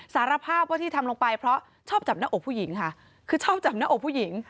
สารภาพว่าที่ทำลงไปเพราะชอบจับหน้าอกผู้หญิงค่ะคือชอบจับหน้าอกผู้หญิง